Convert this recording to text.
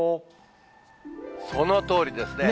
そのとおりですね。